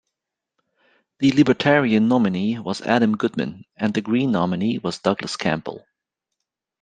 The Libertarian nominee was Adam Goodman and the Green nominee was Douglas Campbell.